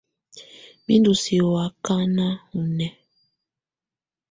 Mɛ ndɔ́ siǝ́ ɔ ákana ɔ nɛ̀á.